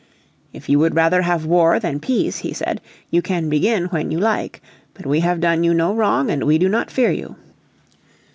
"If you would rather have war than peace," he said, "you can begin when you like. But we have done you no wrong and we do not fear you."